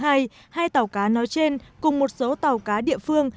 hai tàu cá nói trên cùng một số tàu cá địa phương